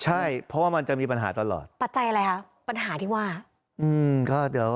ใช่เพราะว่ามันจะมีปัญหาตลอดปัจจัยอะไรคะปัญหาที่ว่าอืมก็เดี๋ยว